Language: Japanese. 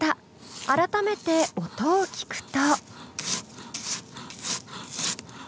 改めて音を聞くと。